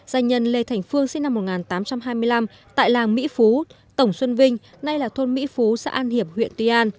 danh nhân lê thành phương sinh năm một nghìn tám trăm hai mươi năm tại làng mỹ phú tổng xuân vinh nay là thôn mỹ phú xã an hiệp huyện tuy an